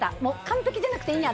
完璧じゃなくていいんや！